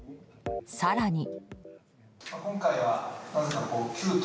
更に。